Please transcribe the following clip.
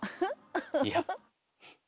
いや。